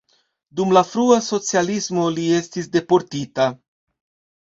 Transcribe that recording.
Dum la frua socialismo li estis deportita.